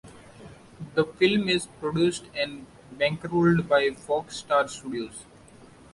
The film is produced and bankrolled by Fox Star Studios.